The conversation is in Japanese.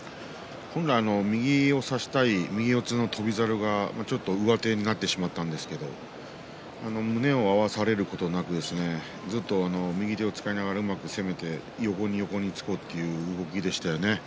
本来は右を差したい右四つの翔猿が上手になってしまったんですが胸を合わされることなくずっと右手を使いながらうまく攻めて横に横につこうという動きでした。